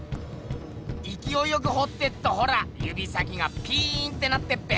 いきおいよくほってっとほらゆび先がピーンってなってっぺ。